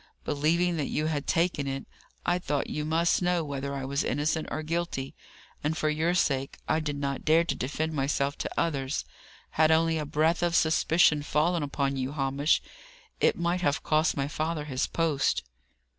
believing that you had taken it, I thought you must know whether I was innocent or guilty. And, for your sake, I did not dare to defend myself to others. Had only a breath of suspicion fallen upon you, Hamish, it might have cost my father his post."